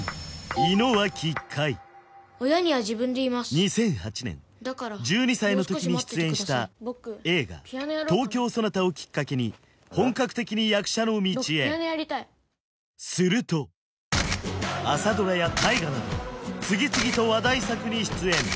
２００８年１２歳の時に出演した映画「トウキョウソナタ」をきっかけに本格的に役者の道へすると朝ドラや大河など次々と話題作に出演